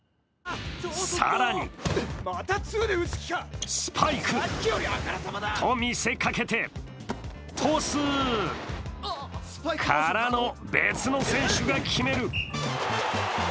更にスパイクと見せかけてトスからの、別の選手が決める！